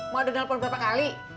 mak udah telfon berapa kali